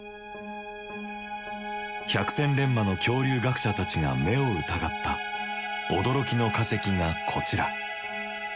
百戦錬磨の恐竜学者たちが目を疑った驚きの化石がこちら。